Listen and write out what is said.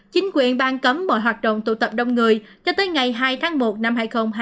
chính quyền bang cấm mọi hoạt động tụ tập đông người cho tới ngày hai tháng một năm hai nghìn hai mươi